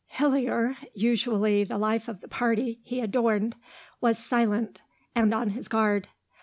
Hillier, usually the life of any party he adorned, was silent, and on his guard.